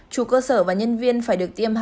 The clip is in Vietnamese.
chủ cơ sở và nhân viên phải được tiêm